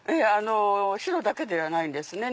白だけではないんですね。